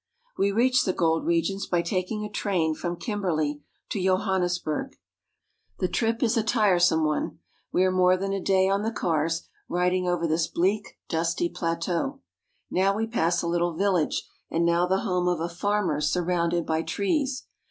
We reach the gold regions by taking a train from Kim berley to Johannesburg (y5 han'nes burg). The trip is a w THE GOLD MINES OF SOUTH AFRICA 30s tiresome one. We are more than a day on the cars, riding 1 over this bleak, dusty plateau. Now we pass a little village, and now the home of a farmer surrounded by trees.